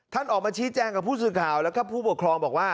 ออกมาชี้แจงกับผู้สื่อข่าวแล้วก็ผู้ปกครองบอกว่า